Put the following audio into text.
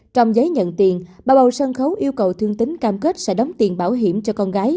trong giấy nhận tiền bà bầu sân khấu yêu cầu thương tính cam kết sẽ đóng tiền bảo hiểm cho con gái